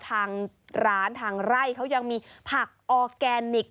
ทางร้านทางไร่เขายังมีผักออร์แกนิค